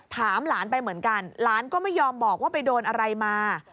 ถามหลานไปเหมือนกันหลานก็ไม่ยอมบอกว่าไปโดนอะไรมา